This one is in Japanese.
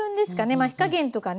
まあ火加減とかね